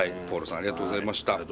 豊路さんありがとうございました。